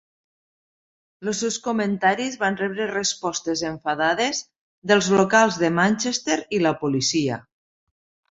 Els seus comentaris van rebre respostes enfadades dels locals de Manchester i la policia.